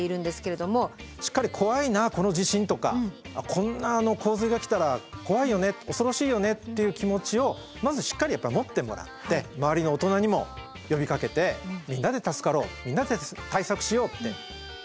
しっかり「怖いなこの地震」とか「こんな洪水が来たら怖いよね恐ろしいよね」っていう気持ちをまずしっかり持ってもらって周りの大人にも呼びかけてみんなで助かろうみんなで対策しようって。